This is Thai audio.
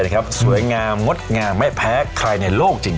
นึกผมมันสวยงามงดงามไม่แพ้ใครในโรคจริง